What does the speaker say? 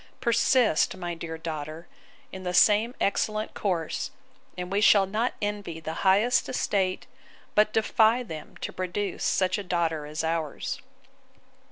Persist, my dear daughter, in the same excellent course; and we shall not envy the highest estate, but defy them to produce such a daughter as ours.